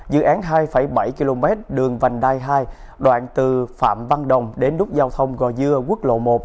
dự án hai bảy km đường vành đai hai đoạn từ phạm văn đồng đến nút giao thông gò dưa quốc lộ một